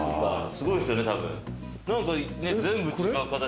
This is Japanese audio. すごいですよね。